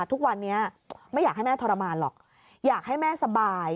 ทุกวันนี้ไม่อยากให้แม่ทรมานหรอกอยากให้แม่สบาย